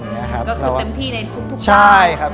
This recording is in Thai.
ก็คือเต็มที่ในครุกทุกครั้ง